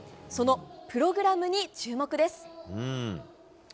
そのプログラムに注目です。